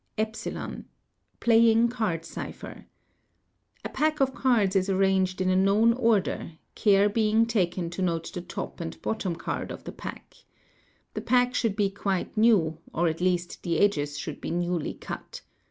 (€) Playing card cipher:—A pack of cards is arranged in a knoy order care being taken to note the top and bottom card of the pad The pack should be quite new or at least the edges should be newly cut.